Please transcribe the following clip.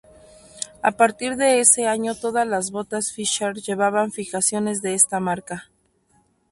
A partir de ese año todas las botas Fischer llevan fijaciones de esta marca.